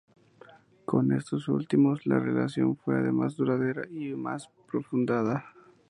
Con estos últimos, la relación fue más duradera y más profunda.